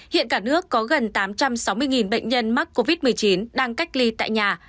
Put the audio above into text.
hiện cả nước có gần tám trăm sáu mươi bệnh nhân mắc covid một mươi chín đang cách ly tại nhà